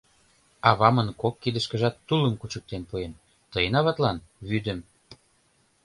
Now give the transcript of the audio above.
Авамын кок кидышкыжат тулым кучыктен пуэн, тыйын аватлан — вӱдым.